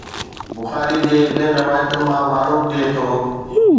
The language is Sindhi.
بخاري جي ٻين روايتن مان معلوم ٿئي ٿو